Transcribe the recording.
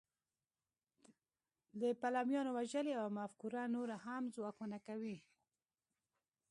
د پلویانو وژل یوه مفکوره نوره هم ځواکمنه کوي